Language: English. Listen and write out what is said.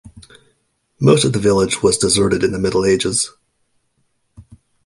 Most of the village was deserted in the Middle Ages.